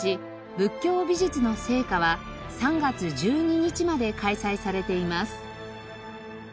「仏教美術の精華」は３月１２日まで開催されています。